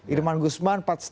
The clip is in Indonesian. irman guzman empat lima